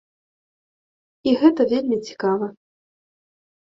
І гэта вельмі цікава.